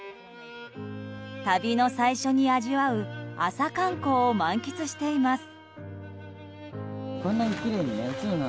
旅の最初に味わう朝観光を満喫しています。